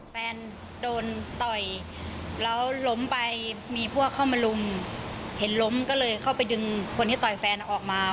แฟนโดนต่อยแล้วล้มไปมีพวกเข้ามาลุมเห็นล้มก็เลยเข้าไปดึงคนที่ต่อยแฟนออกมา